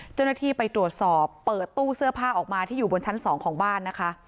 เจ้าหน้าที่ไปตรวจสอบเปิดตู้เสื้อผ้าออกมาที่อยู่บนชั้น๒ของบ้านนะคะ